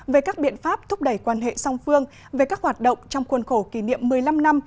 về các biện pháp thúc đẩy quan hệ song phương về các hoạt động trong khuôn khổ kỷ niệm một mươi năm năm